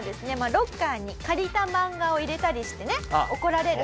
ロッカーに借りたマンガを入れたりしてね怒られる。